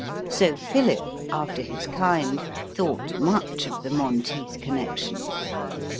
So Philip, after his kind, thought much of the Monteith connection.